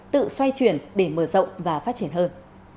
tự xoay chuyển để mở rộng và phát triển hơn